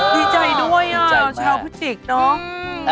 ดีใจด้วยชาวพฤติกษ์เนอะ